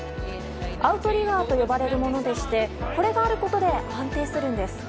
アウトリガーと呼ばれるものでして、これがあることで安定するんです。